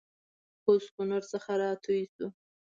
کوز کونړ څخه راتېر سوو